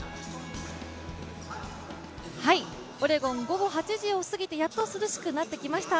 オレゴン午後８時を過ぎて、やっと涼しくなってきました。